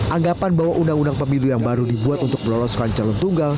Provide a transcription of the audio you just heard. anggapan bahwa undang undang pemilu yang baru dibuat untuk meloloskan calon tunggal